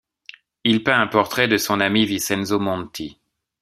Il peint un portrait de son ami Vincenzo Monti.